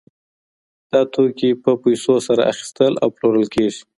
دا توکي په پیسو سره اخیستل او پلورل کیږي.